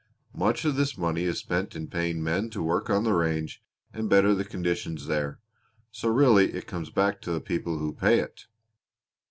Much of this money is spent in paying men to work on the range and better the conditions there, so really it comes back to the people who pay it."